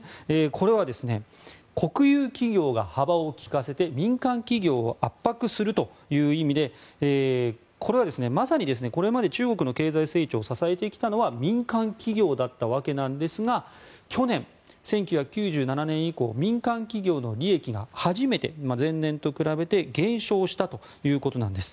これは、国有企業が幅を利かせて民間企業を圧迫するという意味でまさにこれまで中国の経済成長を支えてきたのは民間企業だったわけですが去年、１９９７年以降民間企業の利益が初めて前年と比べて減少したということなんです。